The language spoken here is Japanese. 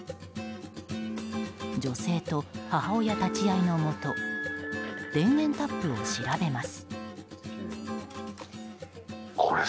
女性と母親立ち会いのもと電源タップを調べます。